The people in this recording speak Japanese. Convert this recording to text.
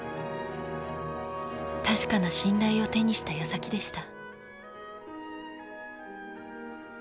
確かな信頼を手にしたやさきでした。